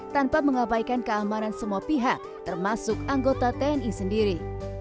tanpa mengabaikan keamanan semua pihak termasuk anggota tni sendiri